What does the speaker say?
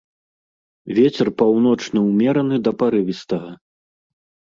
Вецер паўночны ўмераны да парывістага.